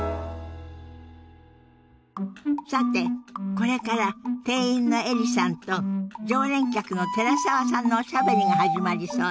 さてこれから店員のエリさんと常連客の寺澤さんのおしゃべりが始まりそうよ。